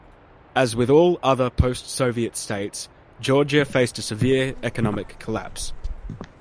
As with all other post-Soviet states, Georgia faced a severe economic collapse.